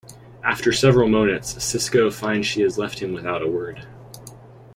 After several moments, Sisko finds she has left him without a word.